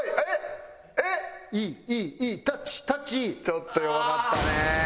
ちょっと弱かったね。